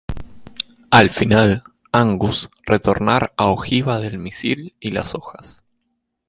Al final, Angus retornar a ojiva del misil y las hojas.